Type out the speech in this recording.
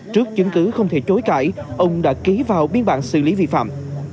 trước chứng cứ không thể chối cãi ông đã ký vào biên bản xử lý vi phạm